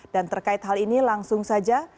dan terkait hal ini langsung saja